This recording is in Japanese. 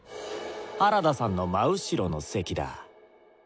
原田さんの真後ろの席だ。